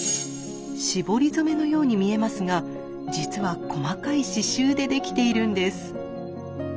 絞り染めのように見えますが実は細かい刺繍でできているんです。